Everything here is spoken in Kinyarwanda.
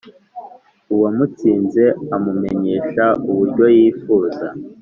Uwamutsinze amumenyesha uburyo yifuza